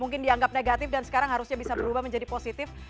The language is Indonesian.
mungkin dianggap negatif dan sekarang harusnya bisa berubah menjadi positif